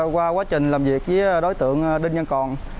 qua quá trình làm việc với đối tượng đinh văn còn